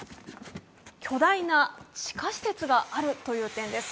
巨大な地下施設があるという点です。